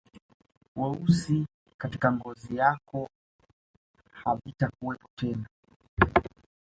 Weusi katika ngozi yako havitakuwepo tena